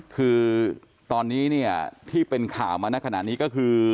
คือตอนนี้เนี่ยที่เป็นข่าวมาในขณะนี้ก็คือ